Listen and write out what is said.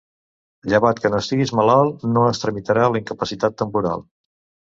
Llevat que no estiguis malalt, no es tramitarà la incapacitat temporal.